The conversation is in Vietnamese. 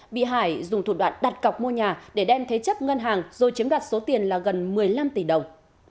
bị hải dùng thủ đoạn đặt cọc mua nhà để đem thế chấp ngân hàng rồi chiếm đoạt số tiền là gần một mươi năm tỷ đồng